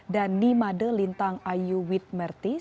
dan nimade lintang ayu witmerti